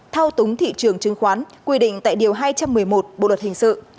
thao túng thị trường chứng khoán quy định tại điều hai trăm một mươi một bộ luật hình sự